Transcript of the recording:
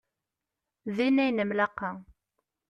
Din ay nemlaqa.